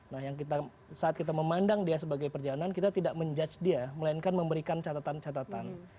nah yang kita saat kita memandang dia sebagai perjalanan kita tidak menjudge dia melainkan memberikan catatan catatan